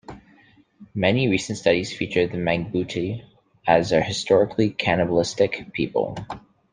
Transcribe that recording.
Many recent studies feature the Mangbetu as a historically cannibalistic people.